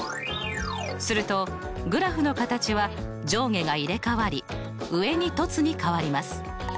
するとグラフの形は上下が入れ代わり上に凸に変わります。